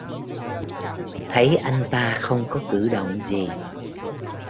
Thấy anh ta không có cử động gì